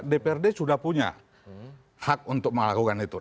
dprd sudah punya hak untuk melakukan itu